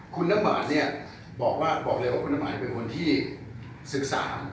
คุณน้ำหวานบอกว่าคุณน้ำหวานคือคนที่สึกสาร